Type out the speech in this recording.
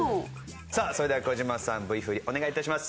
さあそれでは児嶋さんＶ振りお願い致します。